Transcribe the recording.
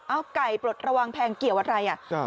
เอาไก่ปลดระวังแพงเกี่ยวอะไรอ่ะ